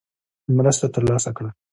مرسته ترلاسه کړه.